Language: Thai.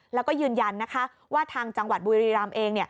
แล้วก็ยืนยันนะคะว่าทางจังหวัดบุรีรำเอง